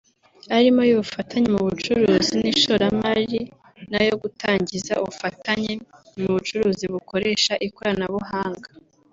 arimo ay’ ubufatanye mu bucuruzi n’ishoramari n’ayo gutangiza ubufatanye mu bucuruzi bukoresha ikoranabuhanga